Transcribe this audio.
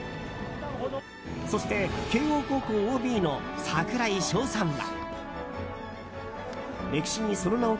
そして、慶應高校ＯＢの櫻井翔さんは。